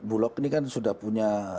bulog ini kan sudah punya